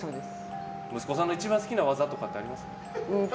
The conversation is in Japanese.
息子さんの一番好きな技とかあります？